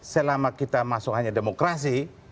selama kita masuk hanya demokrasi